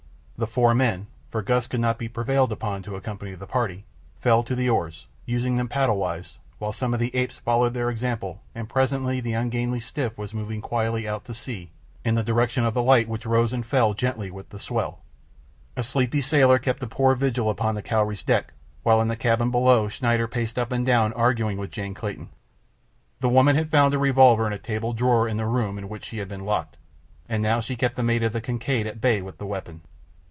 The four men, for Gust could not be prevailed upon to accompany the party, fell to the oars, using them paddle wise, while some of the apes followed their example, and presently the ungainly skiff was moving quietly out to sea in the direction of the light which rose and fell gently with the swell. A sleepy sailor kept a poor vigil upon the Cowrie's deck, while in the cabin below Schneider paced up and down arguing with Jane Clayton. The woman had found a revolver in a table drawer in the room in which she had been locked, and now she kept the mate of the Kincaid at bay with the weapon.